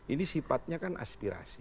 ini sifatnya kan aspirasi